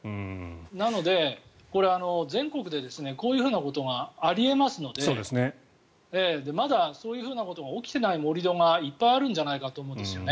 なので、全国でこういうふうなことがあり得ますのでまだ、そういうことが起きていない盛り土がいっぱいあるんじゃないかと思うんですね。